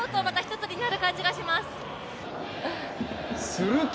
すると